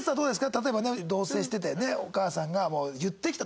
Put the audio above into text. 例えばね同棲しててねお母さんが言ってきたと。